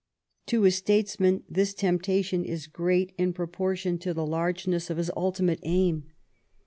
To a statesman this temptation is great in proportion to the largeness of his ultimate aim.